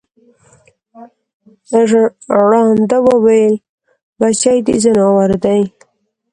ړانده وویل بچی د ځناور دی